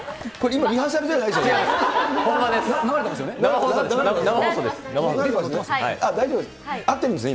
今、リハーサルじゃないです本番です。